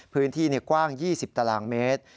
พื้นที่กว้าง๒๐ตารางเมตร